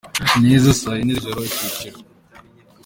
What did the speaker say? neza saa yine z’ijoro icyiciro.